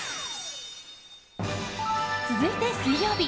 続いて水曜日。